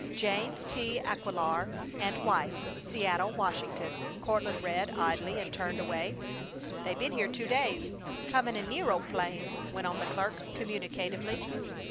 "James T. Aquilar and wife, Seattle, Washington," Courtland read, idly, and turned away. "They been here two days. Come in a nerroplane!" went on the clerk, communicatively.